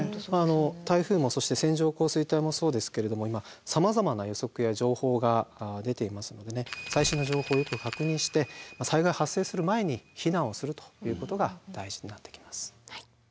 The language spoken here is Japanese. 台風もそして線状降水帯もそうですけれども今さまざまな予測や情報が出ていますので最新の情報をよく確認して災害発生する前に避難をするということが大事になってきます。